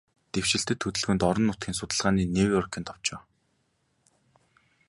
Дэвшилтэт хөдөлгөөнд, орон нутгийн судалгааны Нью-Йоркийн товчоо